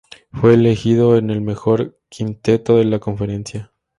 Fue elegido en el mejor quinteto de la conferencia.